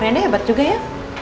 rani hebat juga ya